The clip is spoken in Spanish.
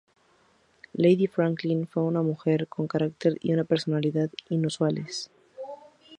Lady Franklin fue una mujer con un carácter y una personalidad inusuales.